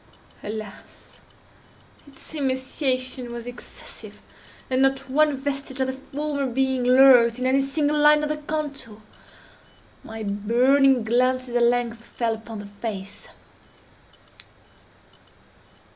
Alas! its emaciation was excessive, and not one vestige of the former being lurked in any single line of the contour. My burning glances at length fell upon the face.